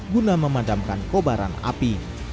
guna memadamkan kobaran api